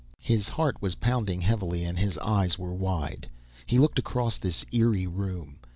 His heart was pounding heavily, and his eyes were wide. He looked across this eerie room.